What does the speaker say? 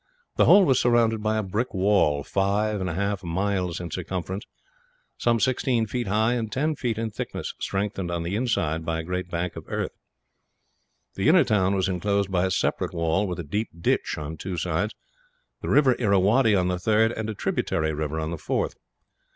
The whole was surrounded by a brick wall, five miles and a half in circumference, some sixteen feet high and ten feet in thickness, strengthened on the inside by a great bank of earth. The inner town was inclosed by a separate wall, with a deep ditch on two sides, the river Irrawaddy on the third, and a tributary river on the fourth.